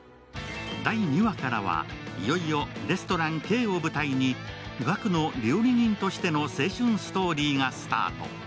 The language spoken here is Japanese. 第２話からはいよいよレストラン・Ｋを舞台に岳の料理人としての青春ストーリーがスタート